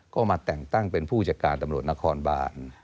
ก็มาแต่งตั้งเป็นผู้จัดการตำรวจนครบาน